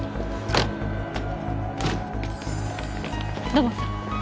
土門さん。